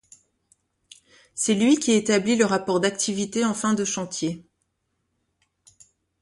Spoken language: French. C’est lui qui établit le rapport d’activité en fin de chantier.